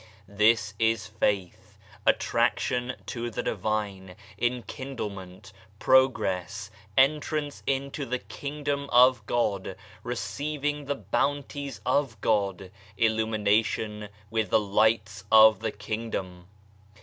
This is faith, attraction to the Divine, enkindlement, progress, entrance into the Kingdom of God, receiving the Bounties of God, illumination with the lights of the Kingdom.